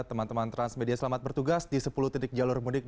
teman teman transmedia selamat bertugas di sepuluh titik jalur mudik